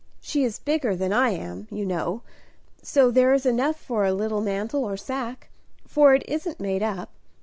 She is bigger than I am, you know; so there is enough for a little mantle or sacque, for it isn't made up.